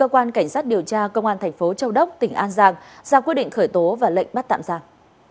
cơ quan cảnh sát điều tra công an thành phố châu đốc tỉnh an giang ra quyết định khởi tố và lệnh bắt tạm giam